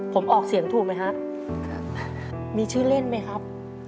ผมออกเสียงถูกไหมฮะมีชื่อเล่นไหมครับ